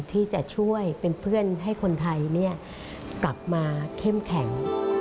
ที่จะช่วยเป็นเพื่อนให้คนไทยกลับมาเข้มแข็ง